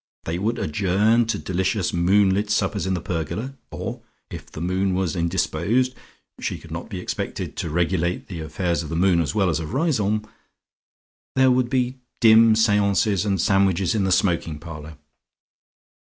They would adjourn to delicious moonlit suppers in the pergola, or if the moon was indisposed she could not be expected to regulate the affairs of the moon as well as of Riseholme there would be dim seances and sandwiches in the smoking parlour.